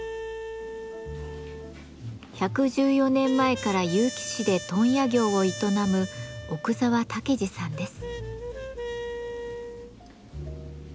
１１４年前から結城市で問屋業を営む奥澤武治さんです。